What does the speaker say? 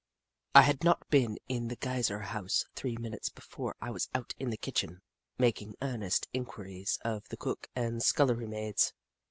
I had not been in the Geyser House three minutes before I was out in the kitchen, making earnest inquiries of the cook and scul lery maids.